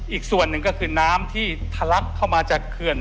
อีกส่วนหนึ่งก็คือน้ำที่ทะลักเข้ามาจากเขื่อน